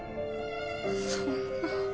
そんな。